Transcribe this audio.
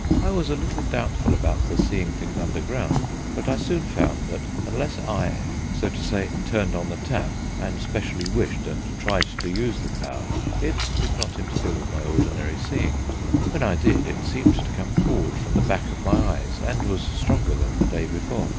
I was a little doubtful about the seeing things underground, but I soon found that unless I so to say turned on the tap, and specially wished and tried to use the power, it did not interfere with my ordinary seeing. When I did, it seemed to come forward from the back of my eyes, and was stronger than the day before.